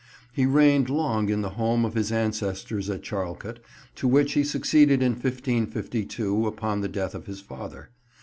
He reigned long in the home of his ancestors at Charlecote, to which he succeeded in 1552, upon the death of his father.